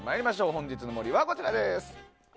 本日の森はこちらです。